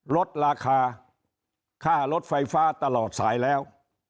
ลดราคาค่ารถไฟฟ้าตลอดสายแล้ว